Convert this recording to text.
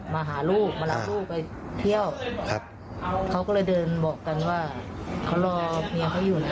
มาหาลูกมารับลูกไปเที่ยวครับเขาก็เลยเดินบอกกันว่าเขารอเมียเขาอยู่แล้ว